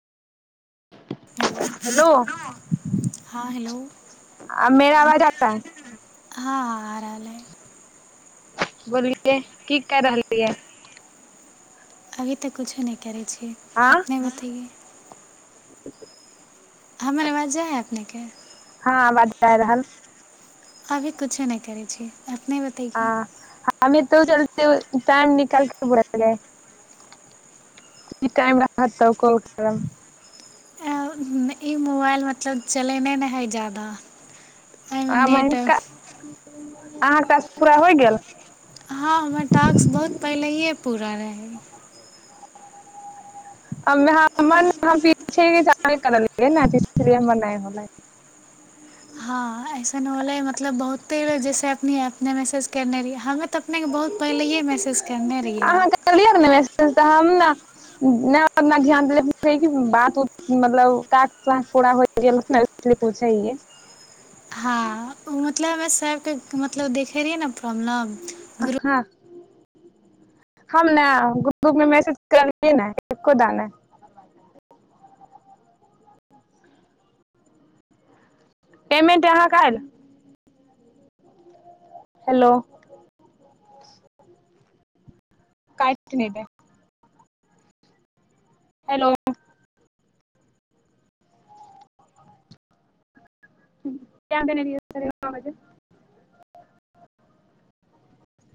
hello हँ hello मेरा आवाज जा रहा है हँ आ रहलै बोलियए की कए रहलीयै अभी तऽ कुछो नहि करै छी हँ अपने बतइए [inaudible] हमर अवाज जाय है अपनेके हँ आबाज जाय रहल अभी कुछो नहि करैय छीयै अपनए हँ बतैये [unintelligible] नै इ मोबाइल मतलब चलेने न हइ जादा एहिमे आ मे नेट हनका अहाँके टासक पूरा होइ गेल हँ हमर टास्क बहुत पहिलए पूरा रहै [unintelligible] हँ ऐसन होलै मतलब बहुते बेड़ जैसे अपने अपने मैसेज कयने रही हमे त अपनेके बहुत पहिलए मैसेज करने रहियै अहाँ करलियै ने [unintelligible] हँ ओ मतलब प्रणाम गुरु हँ हम ने गुरूप मे मैसेज करए लिए ने एकोटा नइ पेमेंट अहाक आयल हेलो काइट नए दे हेलो [unintelligible]